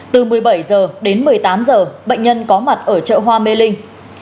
từ một mươi bảy h đến một mươi tám h bệnh nhân có mặt ở chợ hoa mê linh